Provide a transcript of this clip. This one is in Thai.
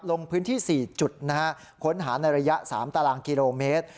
ลงพื้นที่๔จุดนะฮะค้นหาในระยะ๓ตารางกิโลเมตร